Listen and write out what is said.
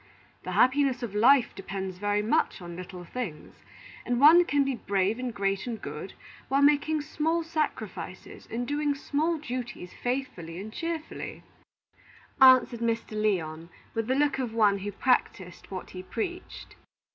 The happiness of life depends very much on little things; and one can be brave and great and good while making small sacrifices and doing small duties faithfully and cheerfully," answered Mr. Lyon, with the look of one who practised what he preached.